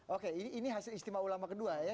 oke ini hasil istimewa ulama kedua ya